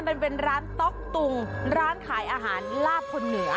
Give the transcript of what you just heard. มันเป็นร้านต๊อกตุงร้านขายอาหารลาบคนเหนือ